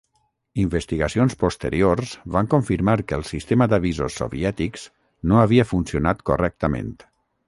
Investigacions posteriors van confirmar que el sistema d'avisos soviètics no havia funcionat correctament.